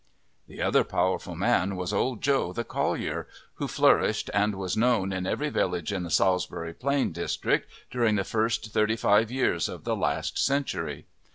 The other powerful man was Old Joe the collier, who flourished and was known in every village in the Salisbury Plain district during the first thirty five years of the last century.